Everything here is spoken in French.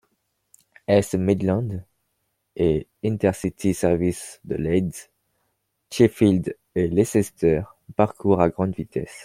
East Midlands et InterCity services de Leeds, Sheffield et Leicester parcourent à grande vitesse.